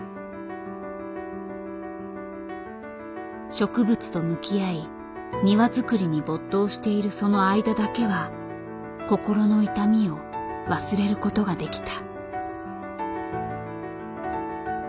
植物と向き合い庭づくりに没頭しているその間だけは心の痛みを忘れることができた。